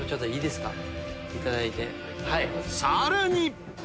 ［さらに］